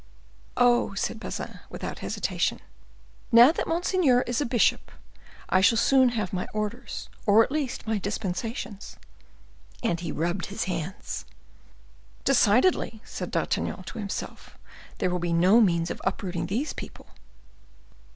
"Oh," said Bazin, without hesitation, "now that monseigneur is a bishop, I shall soon have my orders, or at least my dispensations." And he rubbed his hands. "Decidedly," said D'Artagnan to himself, "there will be no means of uprooting these people.